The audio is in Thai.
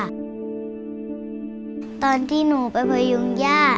พี่น้องของหนูก็ช่วยย่าทำงานค่ะ